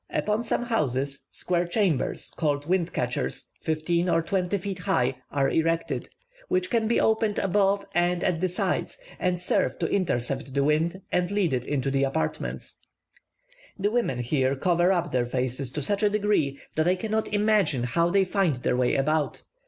Upon some houses, square chambers (called wind catchers), fifteen or twenty feet high, are erected, which can be opened above and at the sides, and serve to intercept the wind and lead it into the apartments. The women here cover up their faces to such a degree that I cannot imagine how they find their way about.